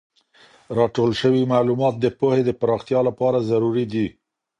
راټول سوی معلومات د پوهې د پراختیا لپاره ضروري دي.